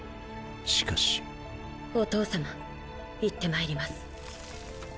しかしお義父様行ってまいります。